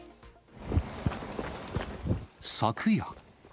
昨夜。